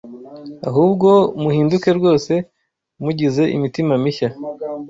ahubwo muhinduke rwose mugize imitima mishya